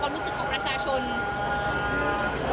ตอนนี้เป็นครั้งหนึ่งครั้งหนึ่ง